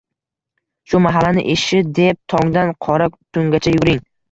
Shu mahallani ishi deb tongdan qora tungacha yuguring